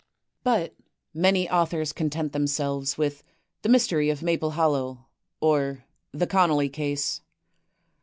^^ But many authors content themselves with "The Mystery of Maple Hollow," or "The Connolly Case."